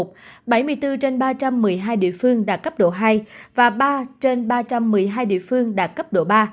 bảy mươi bốn trên ba trăm một mươi hai địa phương đạt cấp độ hai và ba trên ba trăm một mươi hai địa phương đạt cấp độ ba